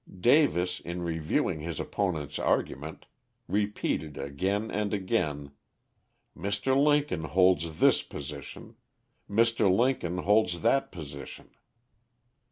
Davis, in reviewing his opponent's argument, repeated again and again; Mr. Lincoln holds this position, Mr. Lincoln holds that position.